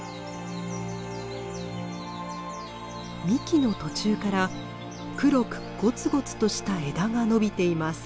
幹の途中から黒くごつごつとした枝が伸びています。